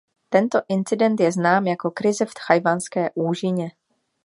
Tento incident je znám jako Krize v Tchajwanské úžině.